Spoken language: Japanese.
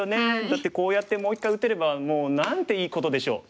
だってこうやってもう一回打てればもう何ていいことでしょう。